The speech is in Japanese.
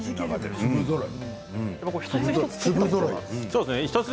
粒ぞろいです。